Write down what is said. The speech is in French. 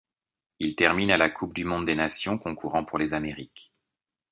Il termine à la coupe du monde des nations, concourant pour les Amériques.